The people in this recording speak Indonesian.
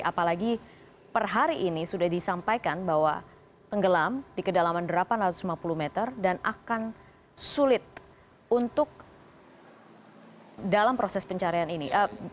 apalagi per hari ini sudah disampaikan bahwa tenggelam di kedalaman delapan ratus lima puluh meter dan akan sulit untuk dalam proses pencarian ini